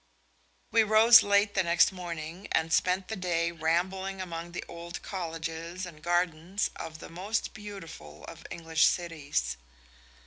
We rose late the next morning and spent the day rambling among the old colleges and gardens of the most beautiful of English cities.